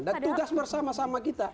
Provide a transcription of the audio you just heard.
dan tugas bersama sama kita